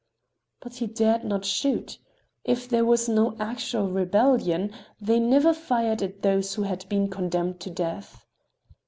But he dared not shoot. If there was no actual rebellion they never fired at those who had been condemned to death.